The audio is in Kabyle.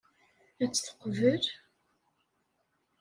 Ad tt-teqbel?